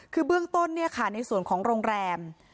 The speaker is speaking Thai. คือเบื้องต้นในส่วนของโรงแรม